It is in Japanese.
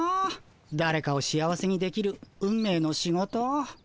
だれかを幸せにできる運命の仕事。